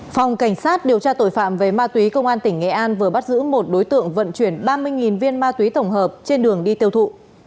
phòng cảnh sát điều tra tội phạm về ma túy công an tỉnh nghệ an vừa bắt giữ một đối tượng vận chuyển ba mươi viên ma túy tổng hợp trên đường đi tiêu thụ